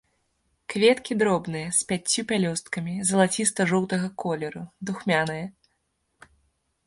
Кветкі дробныя, з пяццю пялёсткамі, залаціста-жоўтага колеру, духмяныя.